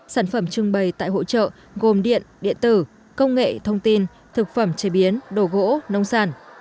sản phẩm trưng bày tại hội trợ gồm điện điện tử công nghệ thông tin thực phẩm chế biến đồ gỗ nông sản